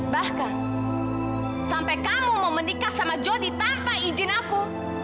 bahkan sampai kamu mau menikah sama jody tanpa izin aku